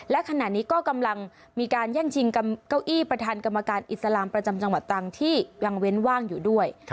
และขณะนี้ก็กำลังมีการแย่งชิงเก้าอี้ประธานกรรมการอิสลามประจำจังหวัดตรังที่ยังเว้นว่างอยู่ด้วย